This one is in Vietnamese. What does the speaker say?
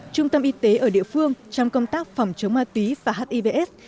trung tâm y tế ở địa phương trong công tác phòng chống ma túy và hivs